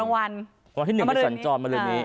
วันที่๑ที่สัญจรมาเร็วนี้